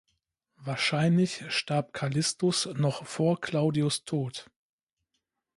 Wahrscheinlich starb Callistus noch vor Claudius’ Tod.